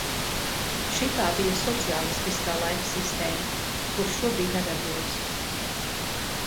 Šitā bija sociālistiskā laika sistēma, kura šobrīd nedarbojas.